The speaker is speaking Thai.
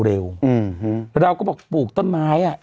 อือฮือแล้วเราก็บอกปลูกต้นไม้อ่ะ